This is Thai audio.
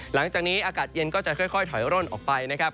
หลังจากนี้อากาศเย็นก็จะค่อยถอยร่นออกไปนะครับ